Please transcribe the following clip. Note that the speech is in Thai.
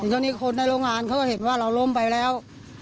ก็เจอคนในโรงงานที่เห็นว่าเราลมไปแล้ว